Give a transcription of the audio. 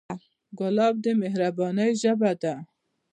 ګلاب د مهربانۍ ژبه ده.